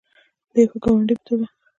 د یو ښه ګاونډي په توګه.